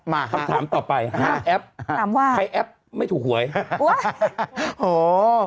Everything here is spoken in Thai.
มาฮะคำถามต่อไปฮะแอปถามว่าใครแอปไม่ถูกหวยโอ้โห